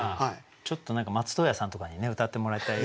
ちょっと何か松任谷さんとかにね歌ってもらいたい。